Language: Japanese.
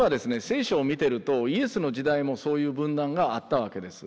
聖書を見てるとイエスの時代もそういう分断があったわけです。